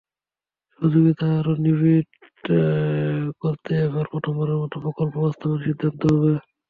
সহযোগিতাকে আরও নিবিড় করতে এবার প্রথমবারের মতো প্রকল্প বাস্তবায়নের সিদ্ধান্ত হবে।